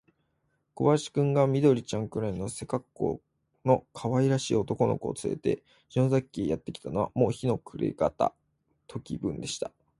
小林君が、緑ちゃんくらいの背かっこうのかわいらしい男の子をつれて、篠崎家へやってきたのは、もう日の暮れがた時分でした。